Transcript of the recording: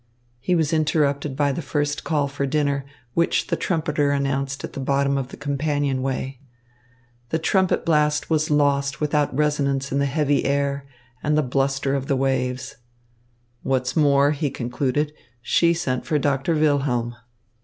He was interrupted by the first call for dinner, which the trumpeter announced at the bottom of the companionway. The trumpet blast was lost without resonance in the heavy air and the bluster of the waves. "What's more," he concluded, "she sent for Doctor Wilhelm."